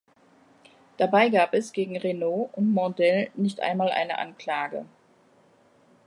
Dabei gab es gegen Reynaud und Mandel nicht einmal eine Anklage.